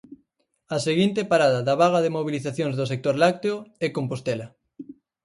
A seguinte parada da vaga de mobilizacións do sector lácteo é Compostela.